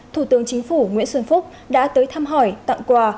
thủ tướng chính phủ nguyễn xuân phúc đã tới thăm hỏi tặng quà